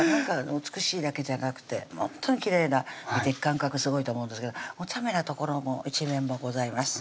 美しいだけじゃなくてほんとにきれいな美的感覚すごいと思うんですけどおちゃめな所も一面もございます